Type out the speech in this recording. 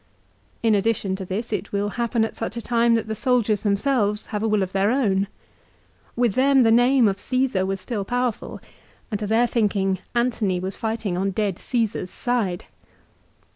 In addition to this it will happen at such a time that the soldiers themselves have a will of their own. With them the name of Caesar was still powerful, and to their thinking Antony was fighting on dead Cresar's side.